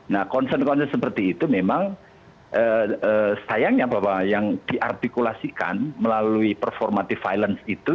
nah konsen konsen seperti itu memang sayangnya bapak yang diartikulasikan melalui performatif violence itu